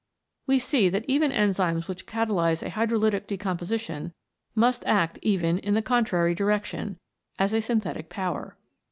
We see that even enzymes which catalyse a hydrolytic decomposi tion must act even in the contrary direction, as a synthetical power.